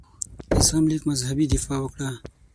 د زغم لیک مذهبي دفاع وکړه.